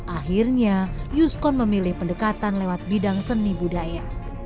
akhirnya yuskon memilih pendekatan lewat bidang seni budaya